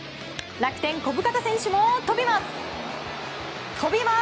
楽天、小深田選手も跳びます！